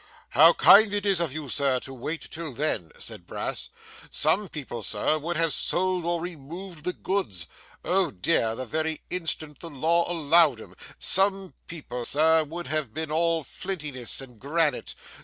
'How kind it is of you, Sir, to wait till then!' said Brass. 'Some people, Sir, would have sold or removed the goods oh dear, the very instant the law allowed 'em. Some people, Sir, would have been all flintiness and granite.